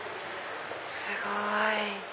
すごい！